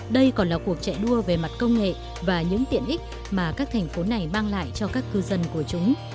đây còn là cuộc chạy đua về mặt công nghệ và những tiện ích mà các thành phố này mang lại cho các cư dân của chúng